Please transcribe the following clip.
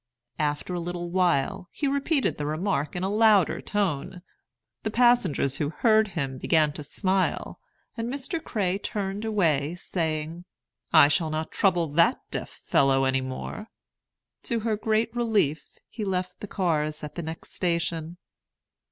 After a little while, he repeated the remark in a louder tone. The passengers who heard him began to smile, and Mr. Cray turned away, saying, "I shall not trouble that deaf fellow any more." To her great relief, he left the cars at the next station.